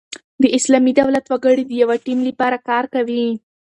د اسلامي دولت وګړي د یوه ټیم له پاره کار کوي.